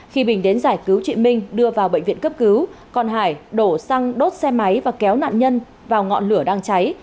khi bình đến giải cứu chị minh đưa vào bệnh viện cấp cứu còn hải đổ xăng đốt xe máy và kéo nạn nhân vào ngọn lửa đang cháy